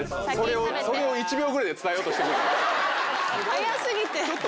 早過ぎて。